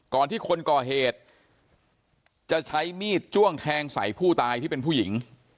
ที่คนก่อเหตุจะใช้มีดจ้วงแทงใส่ผู้ตายที่เป็นผู้หญิง